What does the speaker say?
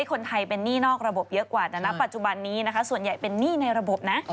คนไทยเป็นหนี้นอกระบบเยอะกว่าแต่ณปัจจุบันนี้นะคะส่วนใหญ่เป็นหนี้ในระบบนะ